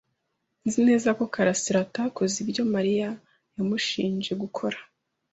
Nzi neza ko karasira atakoze ibyo Mariya yamushinje gukora.